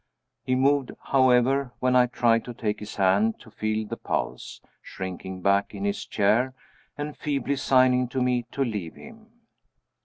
He moved, however, when I tried to take his hand to feel the pulse shrinking back in his chair, and feebly signing to me to leave him.